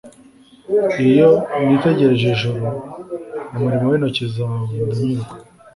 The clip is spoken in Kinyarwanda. iyo nitegereje ijuru umurimo w intoki zawe ndanyurwa